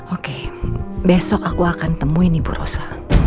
oke besok aku akan temuin ibu rosa